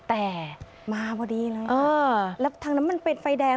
แต่มาพอดีเลยแล้วทางนั้นมันเป็นไฟแดง